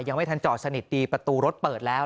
ยังไม่ทันจอดสนิทดีประตูรถเปิดแล้ว